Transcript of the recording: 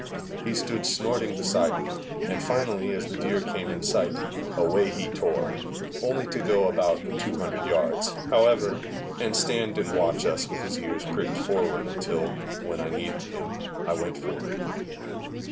He stood snorting beside me, and finally, as the deer came in sight, away he tore only to go about 200 yards, however, and stand and watch us with his ears pricked forward until, when I needed him, I went for him.